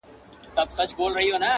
چي نیکونو به ویله بس همدغه انقلاب دی؛